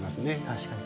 確かに。